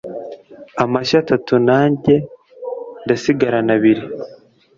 amashyo atatu na njye ndasigarana abiri